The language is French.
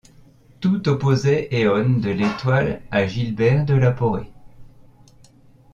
Tout opposait Éon de l'Étoile à Gilbert de la Porrée.